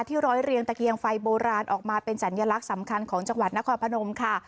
ร้อยเรียงตะเกียงไฟโบราณออกมาเป็นสัญลักษณ์สำคัญของจังหวัดนครพนมค่ะ